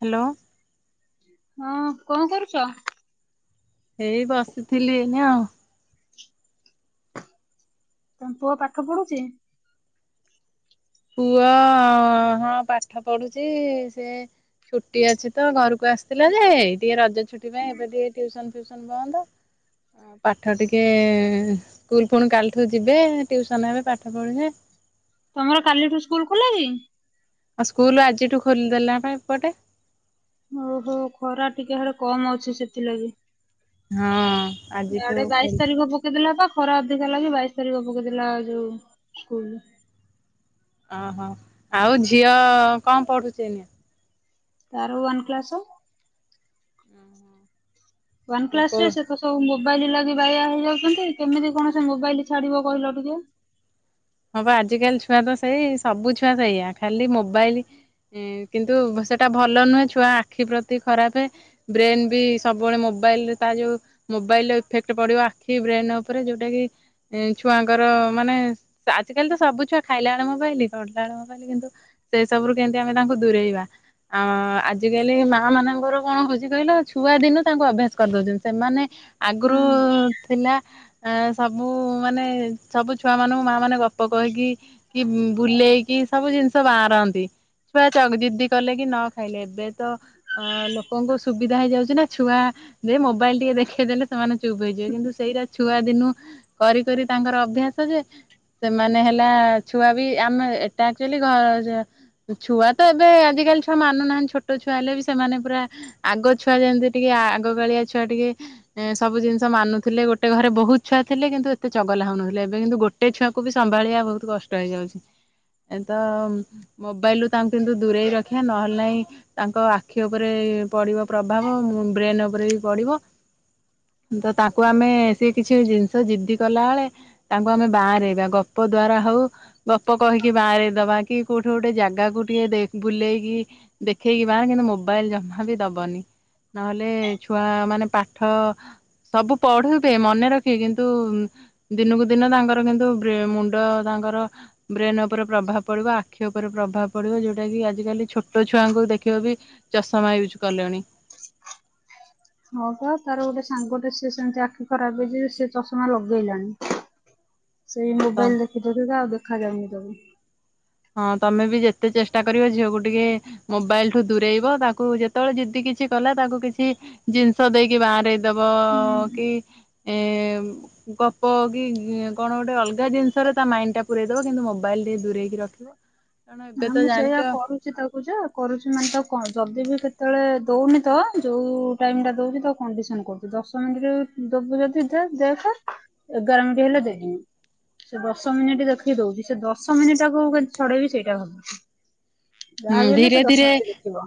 Hello. ହଁ କଣ କରୁଛ? ଏଇ ବସିଥିଲି ଏଇନେ ଆଉ। ତମ ପୁଅ ପାଠ ପଢୁଚି। ପୁଅ ହଁ ପାଠ ପଢୁଛି। ସେ ଛୁଟି ଅଛି ତ ଘରକୁ ଆସିଥିଲା ଯେ ଟିକେ ରଜ ଛୁଟି ପାଇଁ ଏବେ ଟିକେ ଟଟିୁସନ ଫିଉସନ ବନ୍ଦ। ପାଠ ଟିକେ ଏ ସ୍କୁଲ ପୁଣି କାଲିଠୁ ଯିବେ ଟ୍ୟୁସନ ହେବେ, ପାଠ ପଢିବେ। ତମର କାଲିଠୁ ସ୍କୁଲ ଖୋଲା କି? ଆଉ ସ୍କୁଲ ଆଜିଠୁ ଖୋଲିଦେଲା ପା ଏପଟେ। ଓହୋ ଖରା ଟିକେ ସିଆଡେ କମ ଅଛି, ସେଥିଲାଗି। ହଁ ଆଜିଠୁ ଇଆଡେ ଖୋଲି ବାଇଶ ତାରିଖ ପକେଇଦେଲା ବା। ଖରା ଅଧିକ ହେଲା ଯେ ବାଇଶ ତାରିଖ ପକେଇଦେଲା ଯୋଉ ସ୍କୁଲ୍। ଓହୋ ଆଉ ଝିଅ ଅ କଣ ପଢୁଛି ଏଇନେ? ତାର ୱାନ୍ କ୍ଲାସ। ୱାନ୍ କୋଉ କ୍ଲାସରେ ସେ ତ ସବୁ ମୋ ମୋବାଇଲ ଲାଗି ବାୟା ହେଇଯାଉଛନ୍ତି। କେମିତି କଣ ସେ ମୋବାଇଲ ଛାଡିବ କହିଲ ଟିକେ? ହଁ ବା ଆଜିକାଲି ଛୁଆ ତ ସେଇ ସବୁ ଛୁଆ ସେଇଆା ଖାଲି ମୋବାଇଲି କିନ୍ତୁ ସେଟା ଭଲ ନୁହେଁ ଛୁଆ ଆଖି ପ୍ରତି ଖରାପେ, ବ୍ରେନ ବି ସବୁବେଳେ ମୋବାଇଲରେ ତା ଯୋଉ ମୋବାଇଲ ଇଫେକ୍ଟ ପଡିବ ଆଖି ବ୍ରେନ ଉପରେ ଯୋଉଟାକି ଛୁଆଙ୍କର ମାନେ ଆଜ କାଲି ତ ସବୁ ଛୁଆ ଖାଇଲାବେଳ ମୋବାଇଲି, ପଢିଲାବେଳ ମୋବାଇଲି କିନ୍ତୁ ସେଇ ସବୁରୁ କେମତି ଆମେ ତାଙ୍କୁ ଦୂରେଇବା। ଆଁ ଆଜିକାଲି ମାଆମାନଙ୍କର କଣ ହଉଛି କହିଲ ଛୁଆ ଦିନୁ ତାଙ୍କୁ ଅଭ୍ୟାସ କରିଦଉଛନ୍ତି ସେମାନେ ଆଗରୁ ହୁଁ ଥିଲା ଆ ସବୁ ମାନେ ସବୁ ଛୁଆ ମାନଙ୍କୁ ମାଆମାନେ ଗପ କହିକି କି ବୁଲେଇକି ସବୁ ଜିନିଷ ବାଆଁରାନ୍ତି। ଛୁଆ ଚଗ୍ ଜିଦି କଲେ କି ନ ଖାଇଲେ ଏବେ ତ ଲୋକଙ୍କୁ ସୁବିଧା ହେଇଯାଉଛି ନା ଛୁଆ ଯେ ମୋବାଇଲ ଟିକେ ଦେଖେଇ ଦେଲେ ସେମାନେ ଚୁପ୍ ହେଇଯିବେ କିନ୍ତୁ ସେଇଟା ଛୁଆ ଦିନୁ କରି କରି ତାଙ୍କର ଅଭ୍ୟାସ ଯେ। ସେମାନେ ହେଲା ଛୁଆ ବି ଆମେ ଏଟା ଆକ୍ଚୁଆଲି ଘର୍ ଛୁଆ ତ ଏବେ ଆଜିକାଲି ଛୁଆ ମାନୁନାହାନ୍ତି। ଛୋଟ ଛୁଆ ହେଲେ ବି ସେମାନେ ପୁରା ଆଗ ଛୁଆ ଯେମିତି ଟିକେ ଆଗକାଳିଆ ଛୁଆ ଟିକେ ଏଁ ସବୁ ଜିନିଷ ମାନୁଥିଲେ, ଗୋଟେ ଘରେ ବହୁତ ଛୁଆ ଥିଲେ କିନ୍ତୁ ଏତେ ଚଗଲା ହଉନଥିଲେ ଏବେ କିନ୍ତୁ ଗୋଟେ ଛୁଆ କୁ ବି ସମ୍ଭାଳିବା ବହୁତ କଷ୍ଟ ହେଇଯାଉଛି। ତ ମୋବାଇଲରୁ ତାଙ୍କୁ କିନ୍ତୁ ଦୂରେଇ ରଖିବା ନହେଲେ ନାହିଁ ତାଙ୍କ ଆଖି ଉପରେ ପଡ଼ିବ ପ୍ରଭାବ ବ୍ରେନ ଉପରେ ବି ପଡ଼ିବ। ତ ତାଙ୍କୁ ଆମେ ସେ କିଛି ଜିନିଷ ଜିଦ୍ଦି କଲାବେଳେ ତାଙ୍କୁ ଆମେ ବାଆଁରେଇବା। ଗପ ଦ୍ଵାରା ହଉ ଗପ କହିକି ବାଁରେଇଦବା କି କୋଉଠି ଗୋଟେ ଜାଗାକୁ ଟିକେ ଦେ-ବୁଲେଇକି ଦେଖେଇକି ବାଁରେଇ କିନ୍ତୁ ମୋବାଇଲ ଜମା ବି ଦବନି ନହେଲେ ଛୁଆ ମାନେ ପାଠ ସବୁ ପଢିବେ ମନେ ରଖିବେ କିନ୍ତୁ ଦିନକୁ ଦିନ ତାଙ୍କର କିନ୍ତୁ ମୁଣ୍ଡ ତାଙ୍କର ବ୍ରେନ୍ ଉପରେ ପ୍ରଭାବ ପଡ଼ିବ ଆଖି ଉପରେ ପ୍ରଭାବ ପଡ଼ିବ, ଯୋଉଟା କି ଆଜିକାଲି ଛୋଟ ଛୁଆଙ୍କୁ ଦେଖିବ ବି ଚଷମା ୟୂଜ୍ କଲେଣି। ହଁ ପା ତାର ଗୋଟେ ସାଙ୍ଗଟେ ସିଏ ସେମତି ଆଖି ଖରାପ ହେଇଛି ଯେ ସେ ଚଷମା ଲଗେଇଲାଣି। ସେଇ ହଁ ତ ମୋବାଇଲ ଦେଖି ଦେଲେ ତ ଆଉ ଦେଖାାଯାଉନି ତାକୁ। ହଁ ତମେ ବି ଯେତେ ଚେଷ୍ଟା କରିବ ଝିଅକୁ ଟିକେ ମୋବାଇଲ ଠୁ ଦୂରେଇବ ତାକୁ ଯେତେବେଳେ ଯିଦି କିଛି କଲା ତାକୁ କିଛି ଜିନିଷ ଦେଇକି ବାହାର ଦବ ହୁଁ କି ଏ ଗପ କି କଣ ଗୋଟେ ଅଲଗା ଜିନିଷରେ ତା ମାଇଣ୍ଡ ଟା ପୁରରେଇ ଦବ କିନ୍ତୁ ମୋବାଇଲ ଟିକେ ଦୂରେଇକି ରଖ। [unintelligible] ନା ମୁଁ ସେଇୟଆ କରୁଛି ତକୁ ଯ କରୁଛି ମାନେ ତ କଣ? ଯଦି ବି କେତେବେଳେ ଦଉନି ତ ଯୋଉ ଟାଇମ ଟା ଦଉଛି ତ କଣ୍ଡିସନ କରୁଛି ଦଶ ମିନିଟ ଦବୁ ଯଦି ଦେଖ ଏଗାର ମିନିଟ୍ ହେଲେ ଦେବିନି ସେ ଦଶ ମିନିଟ ଦେଖିକି ଦଉଛି ସେ ଦଶ ମିନିଟ୍ କେମିତି ଛଡେଇବି ସେଇ। [unintelligible] ହୁଁ ସେ ଧୀରେ ଦଶ ଧୀରେ ମିନିଟ୍ ଦେଖିବ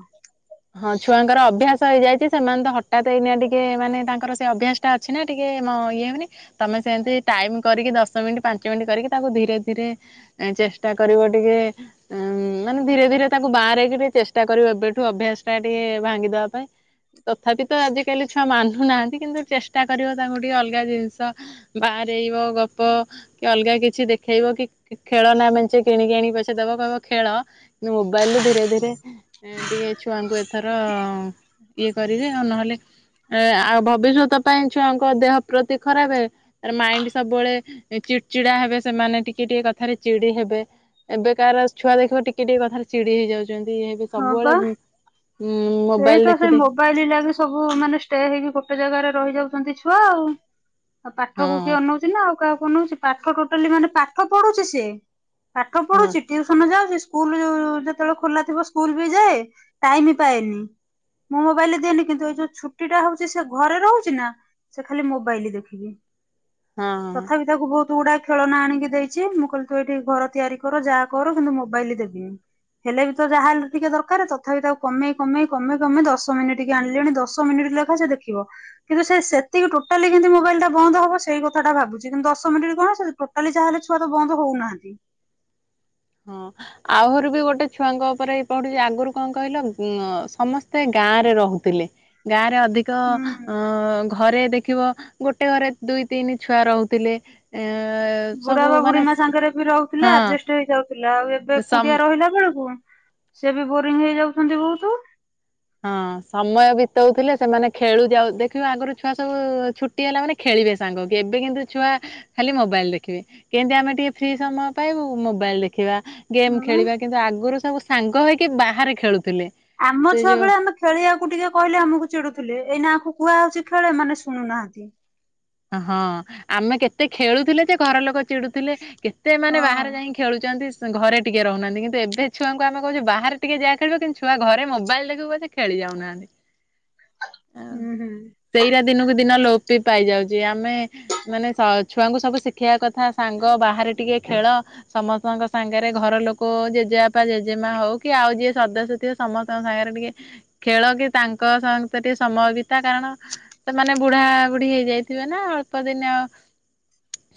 ହଁ ଛୁଆଙ୍କର ଅଭ୍ୟାସ ହେଇଯାଇଛି। ସେମାନେ ତ ହଠାତ ଏଇନି ଟିକେ ମାନେ ତାଙ୍କର ସେ ଅଭ୍ୟାସ ଟା ଅଛି ନା ଟିକେ ଇଏ ହଉନି ତମେ ସେମତି ଟାଇମ କରିକି ଦଶ ମିନିଟ ପାଞ୍ଚ ମିନିଟ କରିକି ତାଙ୍କୁ ଧୀରେ ଧୀରେ ଚେଷ୍ଟା କରିବ ଟିକେ ମାନେ ଧୀରେ ଧୀରେ ତାଙ୍କୁ ବାହାରଇକି ଟ ଚେଷ୍ଟା କରିବୁ ଏବେଠୁ ଅଭ୍ୟାସ ଟା ଟିକେ ଭାଙ୍ଗିଦବା ପାଇଁ। ତଥାପି ତ ଆଜିକାଲି ଛୁଆ ମାନୁନାହାନ୍ତି। କିନ୍ତୁ ଚେଷ୍ଟା କରିବ ତାଙ୍କୁ ଟିକେ ଅଲଗା ଜିନିଷ ବାହାରଇବ ଗପ କି ଅଲଗା କିଛି ଦେଖେଇବ କି ଖେଳ ନା ମେଞ୍ଚେ କିଣିକି ଆଣିକି ପଛେ ଦବ କହିବ ଖେଳ, କି ବଲୁ ଧୀରେ ଧୀରେ ଏ ଟିକେ ଛୁଆଙ୍କୁ ଏଥର ଇଏ କରିବେ ଆଉ ନହେଲେ ଏ ଆଉ ଭବିଷ୍ୟତ ପାଇଁ ଛୁଆଙ୍କ ଦେହ ପ୍ରତି ଖରାପ ମାଇଣ୍ଡ ସବୁବେଳେ ଚିଡ ଚିଡା ହେବେ ସେମାନେ ଟିକେ ଟିକେ କଥାରେ ଚିଡି ହେବେ ଏବେକାର ଛୁଆ ଦେଖିବ ଟିକେ ଟିକେ କଥା ଚିଡି ହେଇଯାଉ ହଁ ବା ସେଇ ମୋବାଇଲ ତ ଦେଖି ସେଇ ଦେଖି ମୋବାଇଲ ଲାଗି ସବୁ ମାନେ ଷ୍ଟେ ହେଇକି ଗୋଟେ ଜାଗାରେ ରହିଯାଉଛନ୍ତି ଛୁଆ ଆଉ। ଆଉ ପାଠକୁ କିଏ ହଁ ଅନ ନଉଛି ନା ଆଉ କାହାକୁ? ନଉଛି ପାଠ ଟୋଟାଲି ମାନେ ପାଠ ପଢୁଛି ସେ ପାଠ ହଁ ପଢୁଛି ଟିଉସନ ଯାଉଛି। ସ୍କୁଲ ଯ ଯେତେବେଳେ ଖୋଲା ଥିବ ସ୍କୁଲ ବି ଯାଏ ଟାଇମ ପାଏନି ମୁଁ ମୋବାଇଲ ଦିଏନି କିନ୍ତୁ ଏ ଯୋଉ ଛୁଟି ଟା ହଉଛି ସେ ଘରେ ରହୁଛି ନା ସେ ଖାଲି ମୋବାଇଲ ଦେଖିବି। ହଁ। ତଥାପି ତାକୁ ବହୁତ । ତୁ ଗଡା ଖେଳନା ଆଣିକି ଦେଇଛି ମୁଁ କହିଲି ତୁ ଏଠି ଘର ତିଆରି କର ଯାହା କର କିନ୍ତୁ ମୋବାଇଲ ଦେବିନି ହେଲେ ବି ତ ଯାହା। ଟିକେ ଦରକାର ତଥାପି ତାକୁ କମେଇ କମେଇ କମେଇ କମେଇ ଦଶ ମିନିଟ ଆଣିଲେଣି ଦଶ ମିନିଟ ଲେଖା ସେ ଦେଖିବ କିନ୍ତୁ ସେତିକି ଟୋଟାଲି କେମିତି ମୋବାଇଲ ଟା ବନ୍ଦ ହବ ସେଇ କଥାଟା ଭାବୁଛି କିନ୍ତୁ ଦଶ ମିନିଟ କଣ ସେ ଟୋଟାଲି ଯାହାେଲେ ଛୁଆ ତ ବନ୍ଦ ହଉନାହାନ୍ତି । ହଁ ଆହୁରି ବି ଗୋଟେ ଛୁଆଙ୍କ ଉପରେ ଏଇ ପଢୁଛି ଆଗରୁ କଣ କହିଲ ଉ ସମସ୍ତେ ଗାଁ ରେ ରହୁଥିଲେ ଗାଁ । ରେ ଅଧିକ ହୁଁ ଅ ଘରେ ଦେଖିବ । ଗୋଟେ ଘରେ ଦୁଇ ତିନି ଛୁଆ ରହୁଥିଲେ । ବୁଢା ବା ବୁଢୀ ମା ସାଙ୍ଗରେ ବି ରହୁଥିଲେ ହଁ ଆଡଯେଷ୍ଟ ହେଇଯାଉ । ଥିଲା ଆଉ ଏବେ ସମ୍ କୁଡିଆ ରହିଲା ବେଳକୁ । ସିଏ ବି ବୋରିଂ ହେଇଯାଉଛନ୍ତି ବହୁତ । ହଁ ସମୟ ବିତଉଥିଲେ ସେମାନେ ଖେଳୁ ଯାଉ ଦେଖିବ ଆଗରୁ ଛୁଆ ସବୁ ଛୁଟି ହେଲା ମାନେ ଖେଳିବେ ସାଙ୍ଗହେଇକି ଏବେ କିନ୍ତୁ ଛୁଆ ଖାଲି ମୋବାଇଲ ଦେଖିବେ କେମତି ଆମେ ଟିକେ ଫ୍ରି ସମୟ ପାଇବୁ ମୋବାଇଲ ଦେଖିବା । ଗେମ୍ ହଁ ଖେଳିବା କିନ୍ତୁ ଆଗରୁ ସବୁ । ସାଙ୍ଗ ହେଇକି ବାହାରେ ଖେଳୁ । ଆମ ଛୁଆ ବେଳେ ଆମେ । ଖେଳିବାକୁ ଟିକେ କହିଲେ ଆମକୁ ଚିଡୁଥିଲେ ଏଇନା ଆକୁ କୁହାହଉଛି ଖେଳେ ଏମାନେ ଶୁଣୁନାହାନ୍ତି । ହଁ ଆମେ କେତେ ଖେଳୁଥିଲେ ଯେ ଘର ଲୋକ । ଚିଡୁଥିଲେ କେତେ ଏମାନେ ହଁ ବାହାରେ ଯାଇି ଖେଳୁଛନ୍ତି । ଘରେ ଟିକେ ରହୁନାହାନ୍ତି। କିନ୍ତୁ ଏବେ ଛୁଆଙ୍କୁ ଆମେ କହୁଚେ ବାହାରେ ଟିକେ ଯାଆ ଖେଳିବ କିନ୍ତୁ ଛୁଆ ଘରେ ମୋବାଇଲ ଦେଖିବୁ ପଛେ ଖେଳି ଯାଉନାହାନ୍ତି। ହୁଁ ହୁଁ ସେଇ ରା ଦିନ କୁ ଦିନ ଲୋପ୍- ପି ପାଇଯାଉଛି। ଛି ଆ । ଆମେ ମାନେ ସ ଛୁଆଙ୍କୁ ସବୁ। ଶିଖିବା କଥା ସାଙ୍ଗ ବାହାରେ। ଟିକେ ଖେଳ ସମସ୍ତେ । ଛୁଆ ଙ୍କ ସାଙ୍ଗରେ ଘର ଲୋକ ଜେଜେବାପା, ଜେଜେମା ହଉ କି ଆଉ ଯିଏ ସଦସ୍ୟ ଥିବେ ସମସ୍ତ ଙ୍କ ସାଙ୍ଗରେ ଟିକେ ଖେଳ କି ତାଙ୍କ ସାଙ୍ଗ ଟିକେ ସମୟ ବି। ତା କାରଣ ସେ ମାନେ। ବୁଢା ବୁଢୀ ହେଇଯାଇ ଥିବେ ନା ଅଳ୍ପ ଦିନେ ଆଉ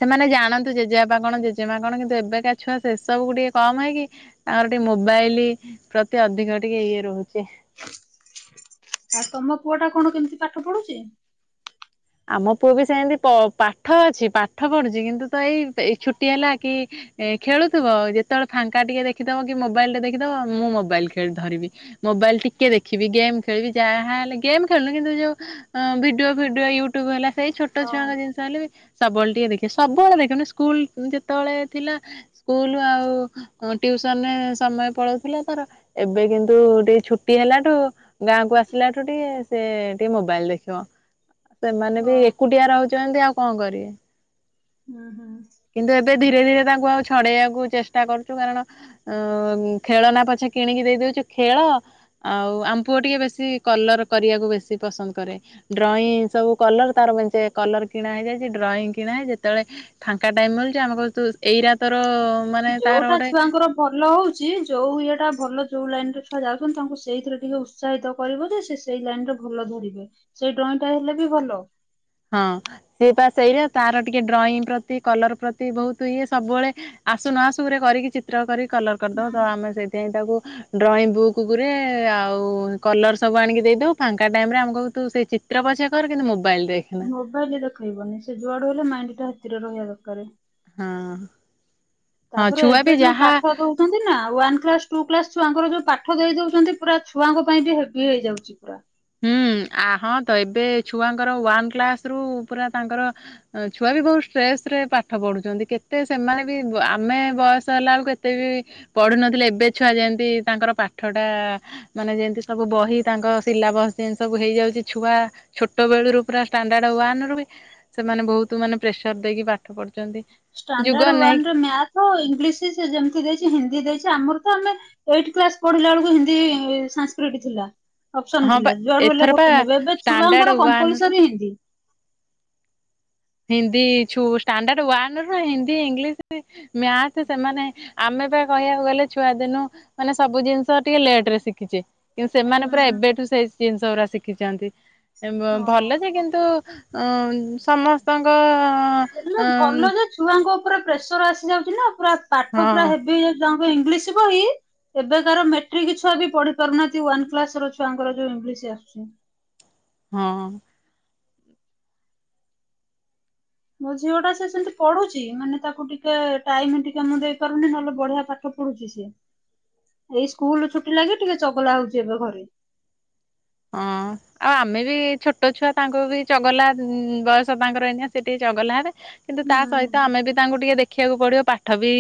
ସେମାନେ ଜାଣନ୍ତୁ ଜେଜେବାବା ଥିବେ ନା ଅଳ୍ପ ଦିନି ଆଉ ସେମାନେ ଜାଣନ୍ତୁ ଜେଜେବାପା କଣ ଜେଜେମା କଣ କିନ୍ତୁ ଏବେକା ଛୁଆ ସେସବୁ କୁ ଟିକେ କମ ହେଇକି ତାଙ୍କର ଟିକେ ମୋବାଇଲ ପ୍ରତି ଅଧିକ ଟିକେ ଇଏ ରହୁଛି। ଆ ତମ ପୁଅ ଟା କଣ କେମିତି ପାଠ ପଢ଼ୁଛି। ଆମ ପୁଅ ବି ସେମିତି ପ ପାଠ ଅଛି । ପାଠ ପଢୁଛି କିନ୍ତୁ ତ ଏଇ ଛୁଟି ହେଲା କି ଖେଳୁଥିବ ଯେତେବେଳେ ଫାଙ୍କା ଟିକେ ଦେଖିଦବ କି ମୋବାଇଲ ଟେ ଦେଖିଦବ ମୁଁ ମୋବାଇଲ ଖେଳି-ଧରିବି ମୋବାଇଲ ଟିକେ ଦେଖିବି ଗେମ୍ ଖେଳିବି ଯାହା ହେଲେ ଗେମ୍ ଖେଳୁନି କିନ୍ତୁ ଯୋଉ ଭିଡିଓ ଫିଡିଓ ୟୁ- ଟୁବ୍ ହେଲା। ସେଇ ଛୋଟ ହଁ ଛୁଆଙ୍କ ଜିନିଷ ହେଲେ ବି- ସବୁବେଳେ ଟିକେ ଦେଖିବେ ସବୁବେଳେ ଦେଖି ବେନି ସ୍କୁଲ ଯେତେବେଳେ ଥିଲା ସ୍କୁଲ ଆଉ ଟ୍ୟୁସନ ରେ ସମୟ ପଳଉଥିଲା ତାର ଏବେ କିନ୍ତୁ ଟିକେ ଛୁଟି ହେଲାଠୁ ଗାଁକୁ ଆସିଲାଠୁ ଟିକେ ସେ ଟିକେ ମୋବାଇଲ ଦେଖିବ। ସେମାନେ ବି ହଁ ଏକୁଟିଆ ରହୁଛନ୍ତି। ଆଉ- କଣ କରିବେ। ହୁଁ ହୁଁ। କିନ୍ତୁ ଏବେ ଧୀରେ ଧୀରେ ତାଙ୍କୁ ଆଉ ଛଡ଼େଇବାକୁ ଚେଷ୍ଟା କରୁଛୁ। କାରଣ ଖେଳ ନା ପଛେ କିଣିକି ଦେଇଦଉଛୁ ଖେଳ ଆଉ ଆମ୍ ପୁଅ ଟିକେ ବେଶୀ କଲର କରିବାକୁ ବେଶୀ ପସନ୍ଦ କରେ ଡ୍ରଇଂ ସବୁ। କଂଲର୍ ତାର ମେଞ୍ଚେ କଂଲର୍ କିଣା ହେଇଯାଇଛି ଡ୍ରଇଂ କିଣା ହେଇଚି ଯେତେବେଳେ ଫାଙ୍କା ଟାଇମ୍ ମିଳୁଛି ଆମେ କୁ ଏଇ ରା ଯୋଉଟା ଛୁଆଙ୍କର ଭଲ ହଉଛି ଯୋଉ ଇଏଟା ଭଲ ଯୋଉ ଲାଇନ ରେ ଛୁଆ ଯାଉଛନ୍ତି ।ତାଙ୍କୁ ସେଇଥିରେ ଟିକେ ଉତ୍ସାହିତ କରିବ ଯେ ସେ ସେଇ ଲାଇନ ରେ ଭଲ ଧରିବେ । ସେଇ ଡ୍ରଇଂ ଟା ହେଲେ ବି ଭଲ। ହଁ ସେ ବା ସେଇଆ ତାର ଟିକେ ଡ୍ରଇଂ ପ୍ରତି କଲର ପ୍ରତି ବହୁତ ଇଏ ସବୁବେଳେ ଆସୁ ନଆସୁରେ କରିକି ଚିତ୍ର କରିକି କଲର ହୁଁ କରିଦବ। ଆମେ ସେଇଥିାଇଁ ତାକୁ ଡ୍ରଇଂ ବୁକ୍ ରେ ଆଉ କଲର ସବୁ ଆଣିକି ଦେଇଦଉ ଫାଙ୍କା ଟାଇମ୍ ରେ ଆମ କ ତୁ ସେ ଚିତ୍ର ପଛ କର କିନ୍ତୁ ମୋବାଇଲ ରେ ମୋବାଇଲ ରେ ଦେଖେଇବନି ସେ ଯୁଆଡୁ ହେଲେ ମାଇ ସେଇଟା ସେଥିରେ ରହିବା ଦରକାରେ। ହଁ। ହଁ ତାପରେ ଛୁଆ ବି ଏବେ ଯୋଉ ଯାହା ପାଠ ଦଉଛନ୍ତି ନା ୱାନ୍ କ୍ଲାସ ଟୁ କ୍ଲାସ ଛୁଆଙ୍କର ଯୋଉ ପାଠ ଦେଇ ଦଉଛନ୍ତି ପୁରା ଛୁଆଙ୍କ ପାଇଁ ବି ହେବି ହେଇଯାଉଛି ପୁରା। ହୁଁ ଆ ହଁ ତ ଏବେ ଛୁଆଙ୍କର ୱାନ୍ କ୍ଲାସ୍ ରୁ ପୁରା ତାଙ୍କର ଛୁଆ ବି ବହୁତ ଷ୍ଟ୍ରେସରେ ପାଠ ପଢ଼ୁଛନ୍ତି। କେତେ ସେମାନେ ବି ଆମେ ବୟସ ହେଲା ବେଳକୁ କେତେ ବି ପଢ଼ୁନଥିଲେ। ଏବେ ଛୁଆ ଯେମତି ତାଙ୍କର ପାଠଟା ମାନେ ଯେମିତି ସବୁ ବହି ତାଙ୍କ ସିଲାବସ୍ ସେନ୍ ସବୁ ହେଇଯାଉଛି ଛୁଆ ଛୋଟ ବେଳୁରୁୁ ପୁରା ଷ୍ଟାଣ୍ଡାର୍ଡ ୱାନ ରୁ ବି ସେମାନେ ବହୁତ ମାନେ ପ୍ରେସର ଦେଇକି ପାଠ ପଢୁଛନ୍ତି। ଯୁଗ ଷ୍ଟାଣ୍ଡାର୍ଡ ୱାନ ଅନେଇକି ରେ ମିଆଥ, ଇଂଲିଶି ଯେମତି ଦେଇଛି ହିନ୍ଦୀ ଦେଇ ଛି ଆମର ତ ଆମେ ଏଇଟ୍ କ୍ଲାସ୍ ପଢିଲା ବେଳକୁ ହିନ୍ଦୀ ସାଁସକ୍ରିରିଟି ଥିଲା। ଅପସନ ହଁ ପା ଥିଲା ଯୁଆଡ଼ୁ ହେଲେ ଏଥର ପା ଗୋଟେ ନେବେ ଏବେ ଷ୍ଟାଣ୍ଡାର୍ଡ ଛୁଆଙ୍କର ୱାନ୍ ରୁ କମ୍ପଲସରୀ ହିନ୍ଦୀ। ହିନ୍ଦୀ ଛୁ ଷ୍ଟାଣ୍ଡାର୍ଡ ୱାନ ରୁ ହି ହିନ୍ଦୀ, ଇଂଲିଶି, ମ୍ୟାଥେ ସେମାନେ ଆମେ ବା କହିବାକୁ ଗଲେ ଛୁଆ ଦିନୁ ମାନେ ସବୁ ଜିନିଷ ଟିକେ ଲେଟ୍ ରେ ଶିଖିଛେ। କିନ୍ତୁ ସେମାନେ ପୁରା ହୁଁ ଏବେଠୁ ସେଇ ଜିନିଷ ଗୁରା ଶିଖିଛନ୍ତି। ହଁ। ଭଲ ଯେ କିନ୍ତୁ ଅ ସମସ୍ତେ ଭଲ ଯେ ଛୁଆଙ୍କ ଉପରେ ପ୍ରେସର ଆସିଯାଉଛି ନା ପୁରା ପାଠ ପୁରା ହଁ ହେବି ହେଇ ତାଙ୍କ ଇଂଲିଶ ବହି ଏବେ କାର ମେଟ୍ରିକ ଛୁଆ ବି ପଢି ପାରୁନାହାନ୍ତି ୱାନ କ୍ଲାସ ର ଛୁଆଙ୍କର ଯୋଉ ଇଂଲିଶ ଆସୁଛି। ହଁ। ମୋ ଝିଅ ଟା ସେ ସେମିତି ପଢୁଛି ମାନେ ତାକୁ ଟିକେ ଟାଇମ ଟିକେ ମୁଁ ଦେଇ ପାରୁନି ନହେଲେ ବଢିଆ ପାଠ ପଢୁଛି ସେ। ଏଇ ସ୍କୁଲ ଛୁଟି ଲାଗି ଟିକେ ଚଗଲା ହଉଛି ଏବେ ଘରେ। ହଁ ଆଉ ଆମେ ବି ଛୋଟ ଛୁଆ ତାଙ୍କୁ ବି ଚଗଲା ବୟସ ତାଙ୍କର ଏଇନଆ ସେଠିକି ଚଗଲା ହେବେ। କିନ୍ତୁ ତା ସହିତ ହୁଁ ଆମେ ବି ତାଙ୍କୁ ଟିକେ ଦେଖ ଦେଖିବାକୁ ପଡ଼ିବ ପାଠ ବି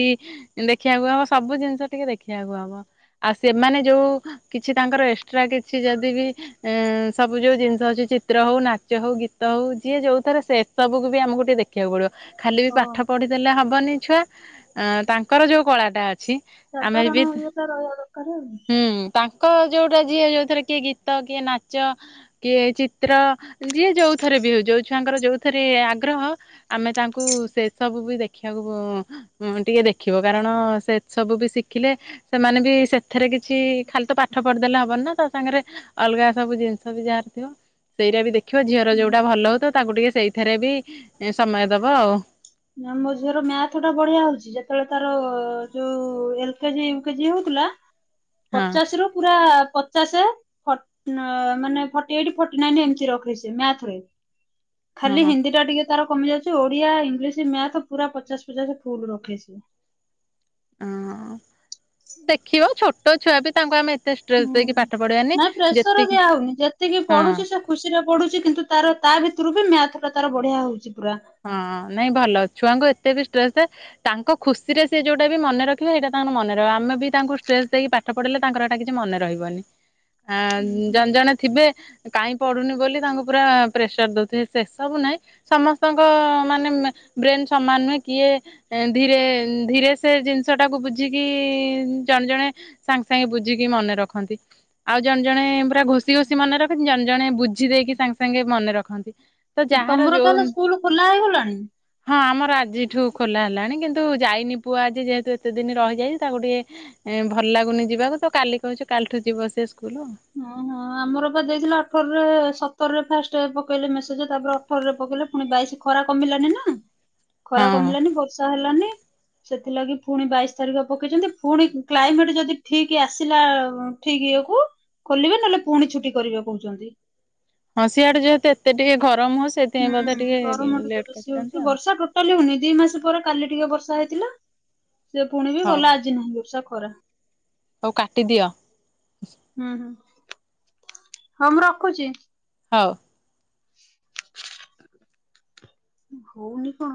ଦେଖିବାକୁ ହେବ ସବୁ ଜିନିଷ ଟିକେ ଦେଖିବାକୁ ହେବ ଆଉ ସେମାନେ ଯେଉଁ କିଛି ତାଙ୍କର ଏକ୍ସଟ୍ରା କିଛି ଯଦି ବି ଉଁ ସବୁ ଯୋଉ ଜିନିଷ ଅଛି ଚିତ୍ର ହଉ, ନାଚ ହଉ, ଗୀତ ହଉ ଯିଏ ଯୋଉ ଥରେ ସେ ଏସବୁକୁ ବି ଆମକୁ ଟେ ଦେଖିବାକୁ ପଡିବ। ଖାଲି ବି ହଁ ପାଠ ପଢିଦେଲେ ହବନି ଛୁଆ ଅ ତାଙ୍କର ଯୋଉ କଳାଟା ଅ ସାଧାରଣ ଇଏତ ରହିବା ଦରକାର ଆଉ। ହୁଁ ତାଙ୍କ ଯୋଉଟା ଯିଏ ଯୋଉଥିରେ କିଏ ଗୀତ ଗୀତ, କିଏ ନାଚ, କିଏ ଚିତ୍ର, ଯିଏ ଯୋଉଥରେ ବି ହଉ ଯୋଉ ଛୁଆଙ୍କର ଯୋଉ ରେ ଆଗ୍ରହ ଆମେ ତାଙ୍କୁ ସେ ସବୁ ବି ଦେଖିବାକୁ ଟିକେ ଦେଖିବ କାରଣ ସେ ସବୁ ବି ଶିଖିଲେ ସେମାନେ ବି ସେଥିରେ କିଛି ଖାଲି ତ ପାଠ ପଢିଦେଲେ ହବନି ନା ତା ସାଙ୍ଗରେ ଅଲଗା ସବୁ ଜିନିଷ ବି ଯାହାର ଥିବ ସେଗୁ୍ରା ବି ଦେଖ ଦେଖୀବ ଝିଅର ଯୋଟା ଭଲ ହଉ ତ ତାଙ୍କୁ ଟିକେ ସେଇଥିରେ ବି ସମୟ ଦବ ଆଉ। ନା ମୋ ଝିଅର ମ୍ୟାଥ ଟା ବଢିଆ ହଉଛି ଯେତେବେଳେ ତାର ଯୋଉ ଏଲ କେଜି ଉଈ କେଜି ହଉଥିଲା ହଁ ପଚାଶ ରୁ ପୁରା ପଚାଶ ମାନେ ଏଇ ଫଟି ଏଇଟି ଫଟି ନାଇ ଏମତି ରଖେ ମ୍ୟାଥରେ ଖାଲି ହଁ ହିନ୍ଦୀ ଟା ଟିକେ ତାର କମି ଯାଉଛି ଓଡିଆ ଇଂଲିଶ ମ୍ୟାଥ ପୁରା ପଚାଶ ରୁ ପଚାଶ ଫୁଲ ରଖେ ସେ ହଁ ଦେଖିବ ଛୋଟ ଛୁଆ ବି ତାଙ୍କୁ ଆମେ ଏତେ ଷ୍ଟ୍ରେସ୍ ଦେଇକି ହୁଁ ପାଠ ପଢେଇବାନି ନାଇଁ ପ୍ରେସର ଯେତିକି ଦିଆ ହଉନି ଯେତିକି ହଁ ପଢୁଛି ସେ ଖୁସିରେ ପଢୁଛି କିନ୍ତୁ ତାର ତା ଭିତରେ ରୁ ମ୍ୟାଥ୍ ଟା ତାର ବଢିଆ ହଉଛି। ପୁରା। ହଁ ନାଇଁ ଭଲ ଛୁଆଙ୍କ ଏ ବି ଷ୍ଟ୍ରେସ ତାଙ୍କ ଖୁସିରେ ସେ ଯୋଉଟା ବି ମନେ ରଖିବେ ସେଇଟା ତାଙ୍କର ମନେ ରହିବ ଆମେ ବି ତାଙ୍କୁ ଷ୍ଟ୍ରେସ ଦେଇକି ପାଠ ପଢ଼ିଲେ ତାଙ୍କର ଏଇଟା କିଛି ମନେ ରହିବନି। ହଁ ଜଣେ ଜଣେ ଥିବେ କାଇ ପଢ଼ୁନି ବୋଲି ତାଙ୍କୁ ପୁରା ପ୍ରେସର ଦଉଥିବେ ସେ ସବୁ ନାହିଁ ସମସ୍ତେ ଙ୍କ ମାନେ ବ୍ରେନ ସମାନ ନୁହେଁ କିଏ ଧୀରେ ଧୀରେ ସେ ଜିନିଷ ଟାକୁ ବୁଝିକି ଜଣେ ଜଣେ ସାଙ୍ଗେ ସାଙ୍ଗେ ବୁଝିକି ମନେ ରଖନ୍ତି ଆଉ ଜଣେ ଜଣେ ପୁରା ଘୋଷି ଘୋଷି ମନେ ରଖନ୍ତି ଜଣେ ଜଣେ ବୁଝି ଦେଇକି ସାଙ୍ଗେ ସାଙ୍ଗେ ମନେ ରଖନ୍ତି। ତ ଯାହାର ତମର ଯୋଉ ତାହେଲେ ସ୍କୁଲ ଖୋଲା ହେଇଗଲାଣି ହଁ ଆମର ଆଜିଠୁ ଖୋଲା ହେଲାଣି କିନ୍ତୁ ଯାଇନି ପୁଅ ଆଜି ଯେହେତୁ ଏତେ ଦିନ ରହିଯାଇଛି ତାକୁ ଟିକେ ଭଲ ଲାଗୁନି ଯିବାକୁ ତ କାଲି କହୁଛ କାଲିଠୁ ଯିବ ସେ ସ୍କୁଲ ଆଉ। ଓ ହଁ ଆମର ପା ଦେଇଥିଲେ ଅଠରରେ ସତରରେ ଫାଷ୍ଟ ପକେଇଲେ ମେସେଜ ତାପରେ ଅଠରରେ ପକେଇଲେ ପୁଣି ବାଇଶ ଖରା କମିଲାନି ନା। ହଁ ଖରା କମିଲାନି ବର୍ଷା ହେଲାନି। ସେଥିଲାଗି ପୁଣି ବାଇଶି ତାରିଖ ପକେଇଛନ୍ତି ପୁଣି କ୍ଲାଇମେଟ ଯଦି ଠିକ ଆସିଲା ଠିକ ଇଏ କୁ ଖୋଲିବେ ନହେଲେ ପୁଣି ଛୁଟି କରିବା କହୁଛନ୍ତି। ହଁ ସିଆଡେ ଯେହେତୁ ଏତେ ଟିକେ ଘ ହୁଁ ଗରମ ଟିକେ ବେଶି କରିଛନ୍ତି ହଉଛି ଆଉ ବର୍ଷା ଟୋଟାଲି ହଉନି। ଦି ମାସ ପରେ କାଲି ଟିକେ ବର୍ଷା ହେଇଥିଲା। ସେ ପୁଣି ବିି ହଉ ଗଲା ଆଜି ନାହିଁ ବର୍ଷା। ଖରା। ହଉ କାଟିଦିଅ। ହୁଁ ହୁଁ। ହଁ ମୁଁ ରଖୁଛି। ହଉ। [inaudible] ହଉନି କଣ?